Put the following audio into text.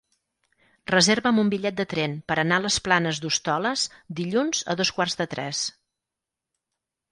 Reserva'm un bitllet de tren per anar a les Planes d'Hostoles dilluns a dos quarts de tres.